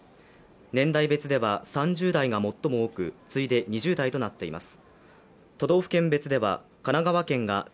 年代別では３０代が最も多く、次いで２０代となっています。